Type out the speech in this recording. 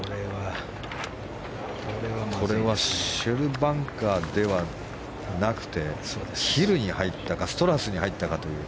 これはシェルバンカーではなくてヒルに入ったかストラスに入ったかという。